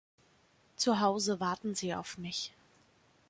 Zuhause warten sie auf mich.